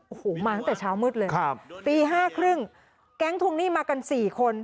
โอ้โหมาตั้งแต่เช้ามืดเลยครับตีห้าครึ่งแก๊งทวงหนี้มากันสี่คน